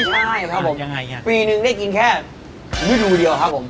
ไม่ใช่ครับปีนึงได้กินแค่ฤดูเดียวครับผม